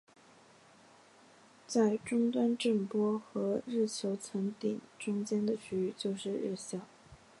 在终端震波和日球层顶中间的区域就是日鞘。